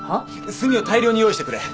墨を大量に用意してくれ。